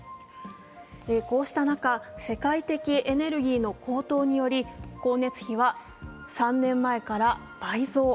こうした中、世界的エネルギーの高騰により光熱費は３年前から倍増。